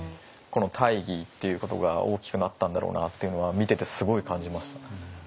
この大義っていうことが大きくなったんだろうなっていうのは見ててすごい感じました。